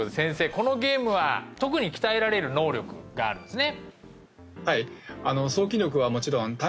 このゲームは特に鍛えられる能力があるんですね